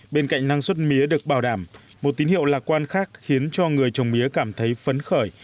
bên cạnh năng suất mía được bảo đảm một tín hiệu lạc quan khác khiến cho người trồng mía cảm thấy phấn khởi